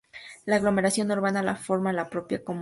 La aglomeración urbana la forma la propia comuna.